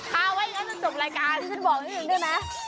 คาไว้ก็จะจบรายการ